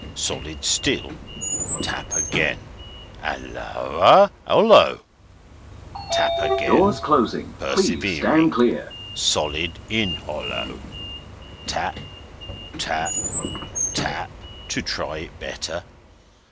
Solid still! Tap again. Holloa! Hollow! Tap again, persevering. Solid in hollow! Tap, tap, tap, to try it better.